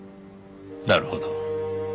なるほど。